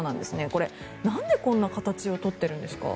これ、なんでこんな形を取ってるんですか？